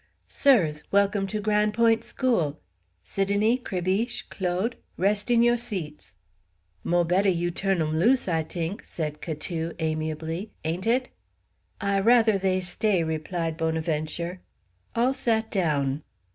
"Sirs, welcome to Gran' Point' school. Sidonie, Crébiche, Claude, rest in yo' seats." "Mo' betteh you tu'n 'em loose, I t'ink," said Catou amiably; "ain't it?" "I rather they stay," replied Bonaventure. All sat down.